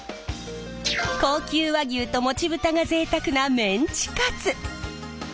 高級和牛ともち豚がぜいたくなメンチカツ！